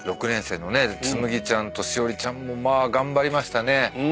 ６年生のねつむぎちゃんとしおりちゃんも頑張りましたね。